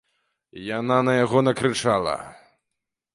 Яна на яго накрычала.